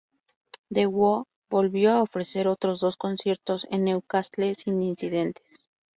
The Who volvió a ofrecer otros dos conciertos en Newcastle sin incidentes.